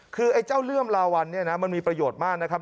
คือไอ้เจ้าเลื่อมลาวันเนี่ยนะมันมีประโยชน์มากนะครับ